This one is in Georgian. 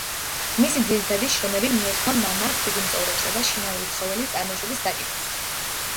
მისი ძირითადი შრომები მიეძღვნა ნამარხ ძუძუმწოვრებსა და შინაური ცხოველების წარმოშობის საკითხებს.